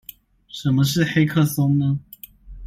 什麼是黑客松呢？